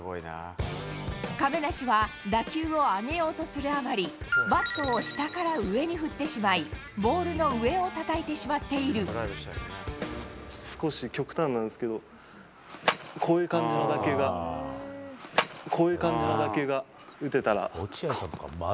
亀梨は、打球を上げようとするあまり、バットを下から上に振ってしまい、ボールの上をたたいてしまってい少し極端なんですけど、こういう感じの打球が、こういう感じの打球が打てたら。